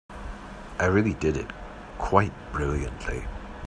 I really did it quite brilliantly.